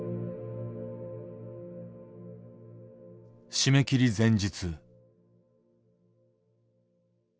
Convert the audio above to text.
締め切り前日。